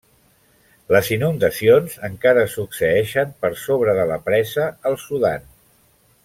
Les inundacions encara succeeixen per sobre de la presa, al Sudan.